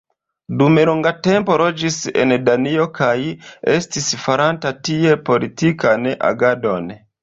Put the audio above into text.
Dum longa tempo loĝis en Danio kaj estis faranta tie politikan agadon.